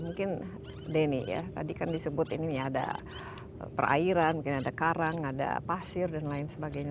mungkin denny ya tadi kan disebut ini ada perairan mungkin ada karang ada pasir dan lain sebagainya